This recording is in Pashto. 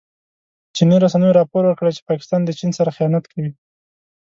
چیني رسنیو راپور ورکړی چې پاکستان د چین سره خيانت کوي.